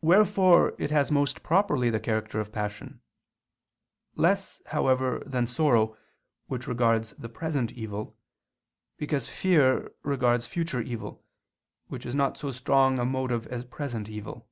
Wherefore it has most properly the character of passion; less, however, than sorrow, which regards the present evil: because fear regards future evil, which is not so strong a motive as present evil.